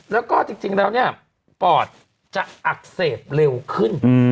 แล้วก็จริงแล้วเนี่ยปอดจะอักเสบเร็วขึ้น